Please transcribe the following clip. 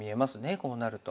こうなると。